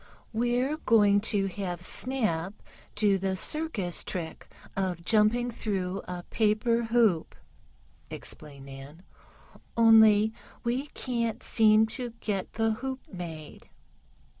"We're going to have Snap do the circus trick of jumping through a paper hoop," explained Nan. "Only we can't seem to get the hoop made."